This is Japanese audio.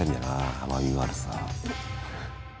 甘みのあるさ。